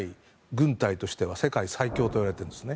軍隊としては世界最強といわれています。